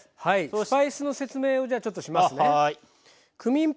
スパイスの説明をじゃあちょっとしますね。